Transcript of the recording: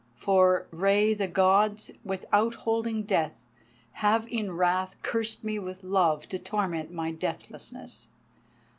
For, Rei, the Gods, withholding Death, have in wrath cursed me with love to torment my deathlessness.